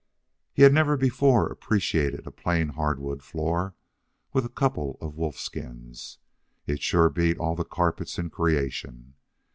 He had never before appreciated a plain hardwood floor with a couple of wolfskins; it sure beat all the carpets in creation.